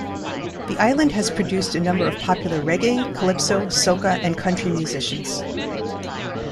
The island has produced a number of popular reggae, calypso, soca and country musicians.